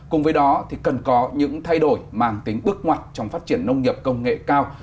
cùng với đó thì cần có những thay đổi mang tính bước ngoặt trong phát triển nông nghiệp công nghệ cao